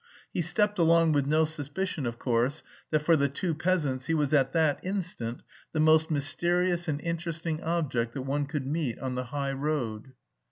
He stepped along with no suspicion, of course, that for the two peasants he was at that instant the most mysterious and interesting object that one could meet on the high road.